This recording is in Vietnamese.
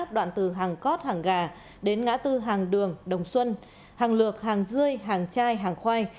đoạn từ hàng cót hàng gà đến ngã tư hàng đường đồng xuân hàng lược hàng dươi hàng chai hàng khoai